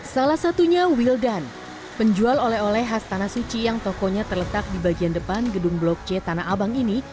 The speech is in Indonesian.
salah satunya wildan penjual oleh oleh khas tanah suci yang tokonya terletak di bagian depan gedung blok c tanah abang ini